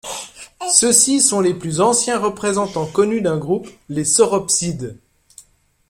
Ceux-ci sont les plus anciens représentants connus d'un groupe, les sauropsides.